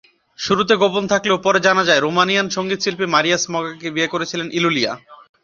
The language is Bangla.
শুরুতে গোপন থাকলেও পরে জানা যায়, রোমানিয়ান সংগীতশিল্পী মরিয়াস মগাকে বিয়ে করেছিলেন ইলুলিয়া।